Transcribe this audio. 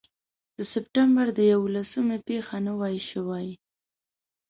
د سپټمبر د یوولسمې پېښه نه وای شوې.